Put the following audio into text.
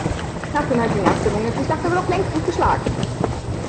Nach den heutigen Abstimmungen ist die Schlacht aber noch längst nicht geschlagen.